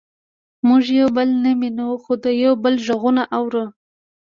موږ یو بل نه وینو خو د یو بل غږونه اورو